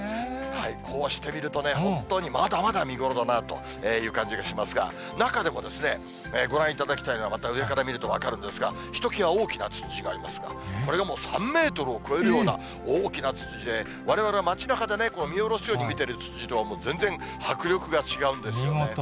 こうして見ると、本当にまだまだ見頃だなという感じがしますが、中でもご覧いただきたいのは、また上から見ると分かるんですが、ひときわ大きなつつじがありますが、これがもう３メートルを超えるような大きなつつじで、われわれは街なかで見下ろすように見てるつつじとは、もう全然迫力が違うんですね。